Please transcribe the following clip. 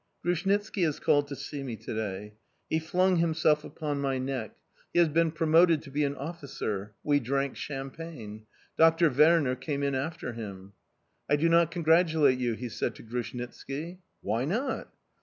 ..... Grushnitski has called to see me to day. He flung himself upon my neck; he has been promoted to be an officer. We drank champagne. Doctor Werner came in after him. "I do not congratulate you," he said to Grushnitski. "Why not?"